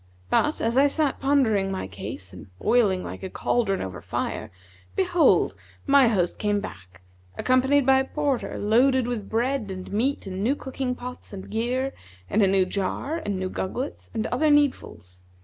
But, as I sat pondering my case and boiling like cauldron over fire, behold, my host came back, accompanied by a porter loaded with bread and meat and new cooking pots and gear and a new jar and new gugglets and other needfuls.